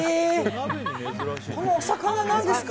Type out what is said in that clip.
このお魚は何ですか？